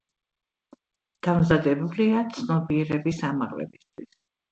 დამზადებულია ცნობიერების ამაღლებისთვის.